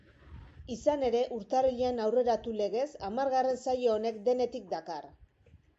Izan ere, urtarrilean aurreratu legez, hamargarren saio honek denetik dakar.